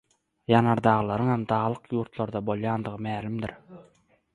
ýanardaglaryňam daglyk ýurtlarda bolýandygy mälimdir.